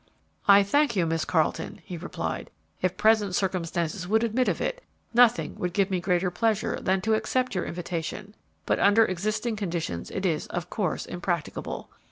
"I thank you, Miss Carleton," he replied. "If present circumstances would admit of it, nothing would give me greater pleasure than to accept your invitation, but under existing conditions it is, of course, impracticable.